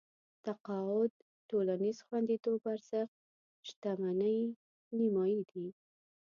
تقاعد ټولنيز خونديتوب ارزښت شتمنۍ نيمايي دي.